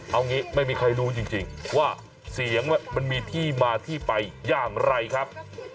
เอางี้ไม่มีใครรู้จริงว่าเสียงมันมีที่มาที่ไปอย่างไรครับ